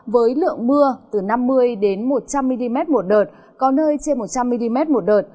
với lượng mưa từ năm mươi một trăm linh mm một đợt có nơi trên một trăm linh mm một đợt